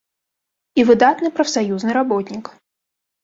І выдатны прафсаюзны работнік.